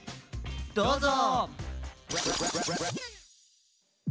どうぞ！